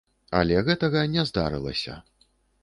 Але гэтага не здарылася.